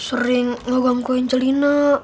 sering mengganggu angelina